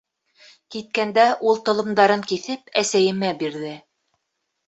Киткәндә ул толомдарын киҫеп, әсәйемә бирҙе: